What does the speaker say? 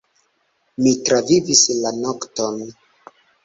Mi travivis la nokton!